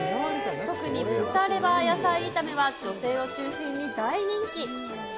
特に豚レバー野菜炒めは女性を中心に大人気。